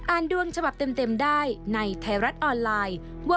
ดวงฉบับเต็มได้ในไทยรัฐออนไลน์